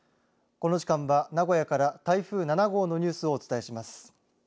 この時間は名古屋から台風７号のニュースをお伝えします。